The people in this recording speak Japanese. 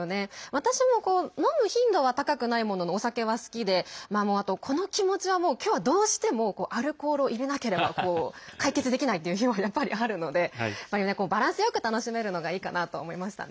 私も飲む頻度は高くないもののお酒は好きでこの気持ちはもう今日はどうしてもアルコールを入れなければ解決できないという日はやっぱりあるのでバランスよく楽しめるのがいいかなと思いましたね。